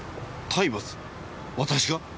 私が？